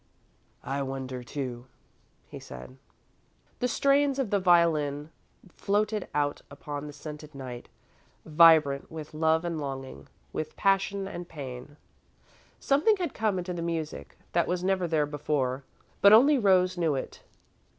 "I wonder, too," he said. The strains of the violin floated out upon the scented night, vibrant with love and longing, with passion and pain. Something had come into the music that was never there before, but only Rose knew it.